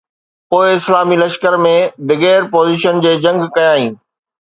پوءِ اسلامي لشڪر ۾ بغير پوزيشن جي جنگ ڪيائين